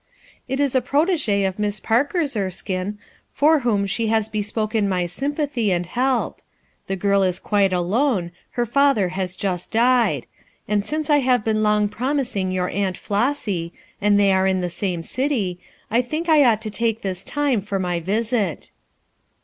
"It is a prot6g& of Miss Parker's, Erskine, for whom she has bespoken my sympathy and THEY HATED MYSTERY 257 help. The girl is quite alone, her father has just died ; and since I have been long promising your Aunt Flossy/and they are in the same city, I think I ought to take this time for my visit."